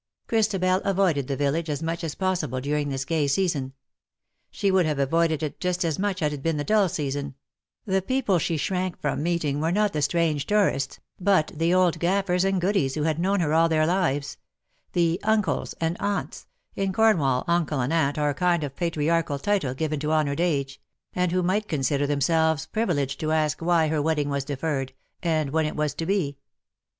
Christabel avoided the village as much as possible during this gay season. She would have avoided it just as much had it been the dull season : the people she shrank from meeting were AND JOY A VANE THAT VEERS. Z( not the strange tourists,, but the old gaffers and goodies who had known her all their lives — the " uncles^^ and '^ aunts^'' — (in Cornwall uncle and aunt are a kind of patriarchal title given to honoured age) — and who might consider themselves privileged to ask why her wedding was deferred^ and when it was to be.